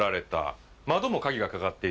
窓も鍵がかかっていた。